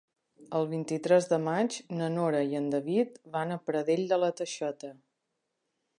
El vint-i-tres de maig na Nora i en David van a Pradell de la Teixeta.